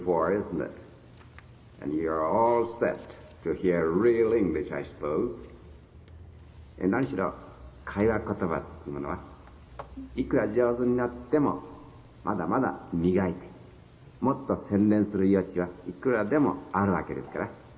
Ｈｅｌｌｏ，ｅｖｅｒｙｏｎｅ．何しろ会話言葉というものはいくら上手になってもまだまだ磨いてもっと洗練する余地はいくらでもあるわけですから。